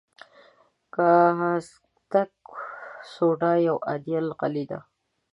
کاستک سوډا یو عادي القلي ده.